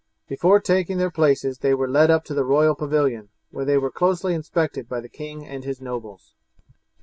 Before taking their places they were led up to the royal pavilion, where they were closely inspected by the king and his nobles.